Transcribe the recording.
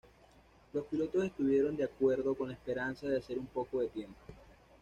Los pilotos estuvieron de acuerdo, con la esperanza de hacer un poco de tiempo.